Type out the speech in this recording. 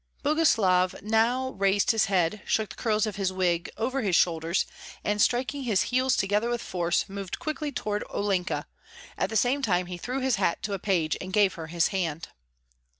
Boguslav now raised his head, shook the curls of his wig over his shoulders, and striking his heels together with force, moved quickly toward Olenka; at the same time he threw his hat to a page and gave her his hand.